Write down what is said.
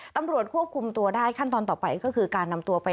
ตำรวจควบคุมตัวได้ขั้นตอนต่อไปก็คือการนำตัวไป